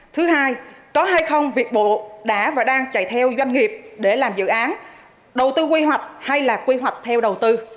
thứ hai có hay không việc bộ đã và đang chạy theo doanh nghiệp để làm dự án đầu tư quy hoạch hay là quy hoạch theo đầu tư